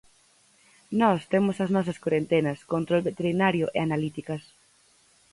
Nós temos as nosas corentenas, control veterinario e analíticas.